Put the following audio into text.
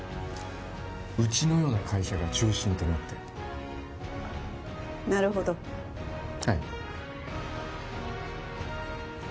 うちのような会社が中心となってなるほどはい